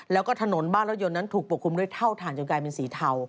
แล้วก็ถนนบ้านรถยนต์นั้นถูกปกคลุมด้วยเท่าฐานจนกลายเป็นสีเทา